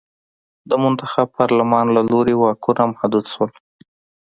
د منتخب پارلمان له لوري واکونه محدود شول.